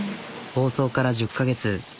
放送から１０カ月。